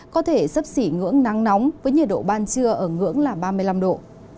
có thể sắp xỉ ngưỡng nắng nóng với nhiệt độ ban trưa ở ngưỡng ba mươi năm độ